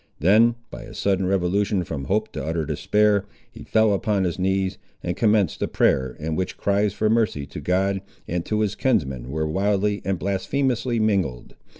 Then, by a sudden revolution from hope to utter despair, he fell upon his knees, and commenced a prayer, in which cries for mercy to God and to his kinsman were wildly and blasphemously mingled.